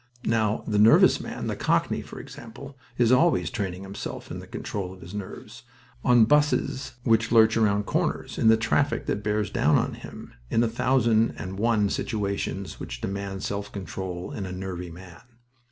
Now, the nervous man, the cockney, for example, is always training himself in the control of his nerves, on 'buses which lurch round corners, in the traffic that bears down on him, in a thousand and one situations which demand self control in a 'nervy' man.